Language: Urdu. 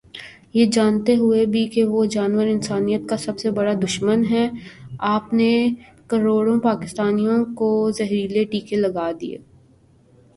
یہ جانتے ہوئے بھی کہ وہ جانور انسانیت کا سب سے بڑا دشمن ہے آپ نے کروڑوں پاکستانیوں کو زہریلے ٹیکے لگا دیے۔۔